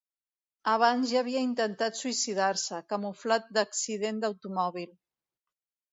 Abans, ja havia intentat suïcidar-se, camuflat d'accident d'automòbil.